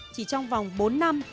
chỉ trong vòng bốn năm